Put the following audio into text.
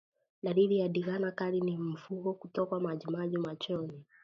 Dalili ya ndigana kali ni mfugo kutokwa majimaji machoni